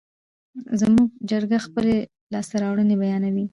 زموږ چرګه خپلې لاسته راوړنې بیانوي.